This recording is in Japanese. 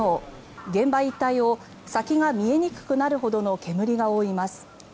現場一帯を先が見えにくくなるほどの煙が覆います。